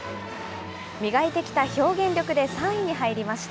磨いてきた表現力で３位に入りました。